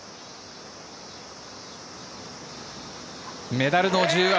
メダルの重圧